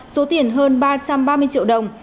số tiền hơn ba trăm ba mươi triệu đồng